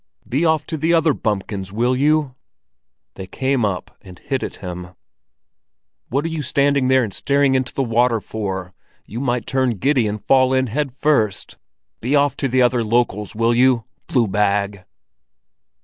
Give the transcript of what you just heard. "Be off to the other bumpkins, will you!" They came up and hit at him. "What are you standing there and staring into the water for? You might turn giddy and fall in head first! Be off to the other yokels, will you! Blue bag!"